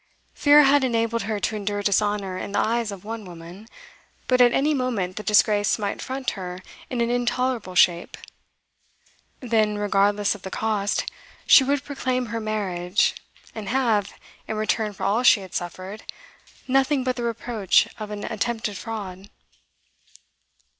Fear had enabled her to endure dishonour in the eyes of one woman, but at any moment the disgrace might front her in an intolerable shape; then, regardless of the cost, she would proclaim her marriage, and have, in return for all she had suffered, nothing but the reproach of an attempted fraud.